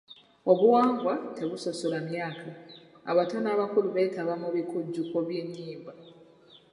Obuwangwa tebusosola myaka: abato n'abakulu beetaba mu bikujjuko by'ennyimba.